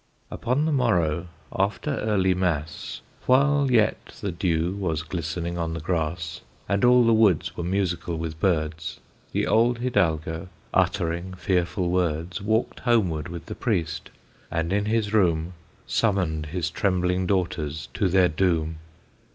Upon the morrow, after early Mass, While yet the dew was glistening on the grass, And all the woods were musical with birds, The old Hidalgo, uttering fearful words, Walked homeward with the Priest, and in his room Summoned his trembling daughters to their doom.